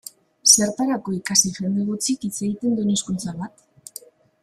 Zertarako ikasi jende gutxik hitz egiten duen hizkuntza bat?